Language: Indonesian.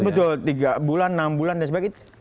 betul tiga bulan enam bulan dan sebagainya